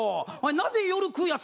なんで夜食うやつ